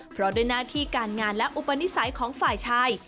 เพราะด้วยหน้าที่การงานและอุปนิสัยของฝ่ายชาย